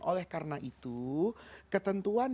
oleh karena itu ketentuan